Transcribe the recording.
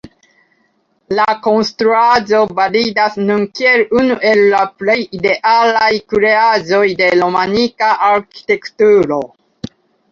La konstruaĵo validas nun kiel unu el la plej idealaj kreaĵoj de romanika arĥitekturo.